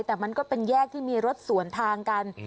แต่มันก็เป็นแยกที่มีรถสวนทางกัน